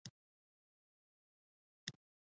په موبایل کې به یې داسې خبرې کولې.